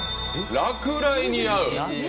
「落雷にあう」。